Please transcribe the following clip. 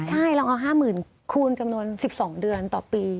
ใช่เราเอา๕๐๐๐คูณจำนวน๑๒เดือนต่อปี